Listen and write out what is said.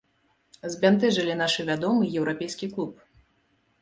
Збянтэжылі нашы вядомы еўрапейскі клуб.